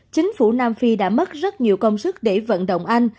chính phủ nam phi đã mất rất nhiều công sức để vận động anh